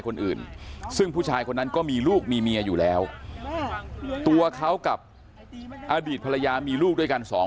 คนอื่นซึ่งผู้ชายคนนั้นก็มีลูกมีเมียอยู่แล้วตัวเขากับอดีตภรรยามีลูกด้วยกันสอง